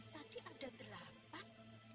tadi ada delapan